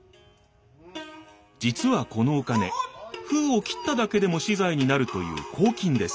実はこのお金封を切っただけでも死罪になるという公金です。